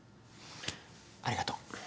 ありがとう。